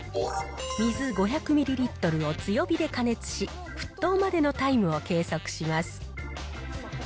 水５００ミリリットルを強火で加熱し、沸騰までのタイムを計測します。